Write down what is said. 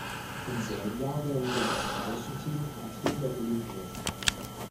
Im selben Jahr gelang dem australischen Team in Athen der Olympiasieg.